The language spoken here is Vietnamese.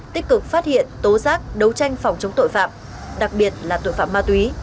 tích cực phát hiện tố giác đấu tranh phòng chống tội phạm đặc biệt là tội phạm ma túy